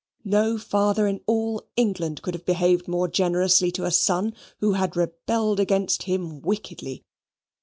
No father in all England could have behaved more generously to a son, who had rebelled against him wickedly.